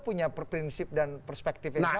punya prinsip dan perspektifnya sama pak haji